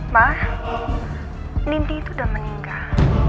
ma nindi itu udah meninggal